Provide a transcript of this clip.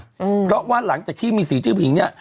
เพราะว่าหลังจากที่มีสีชื่อผิงเนี้ย